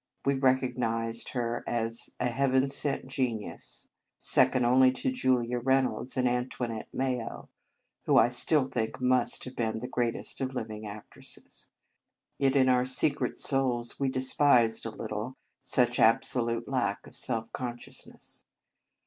We recog nized her as a Heaven sent genius, second only to Julia Reynolds and Antoinette Mayo (who I still think must have been the greatest of living actresses), yet in our secret souls we despised a little such absolute lack of self consciousness.